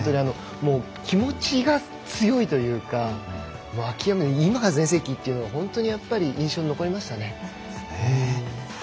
気持ちが強いというか今が全盛期というのは本当にやっぱり印象に残りましたね。